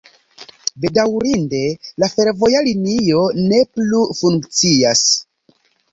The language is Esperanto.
Bedaŭrinde la fervoja linio ne plu funkcias.